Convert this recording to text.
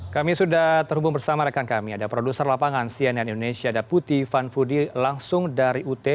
kami sudah terhubung bersama rekan kami ada produser lapangan cnn indonesia ada putih vanfudi langsung dari ut